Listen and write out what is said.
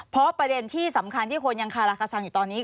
เพราะประเด็นที่สำคัญที่คนยังคาราคาซังอยู่ตอนนี้